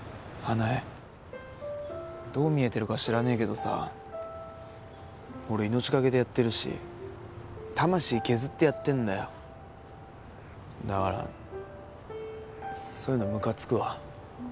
花枝どう見えてるか知らねえけどさ俺命がけでやってるし魂削ってやってんだよだからそういうのムカつくわ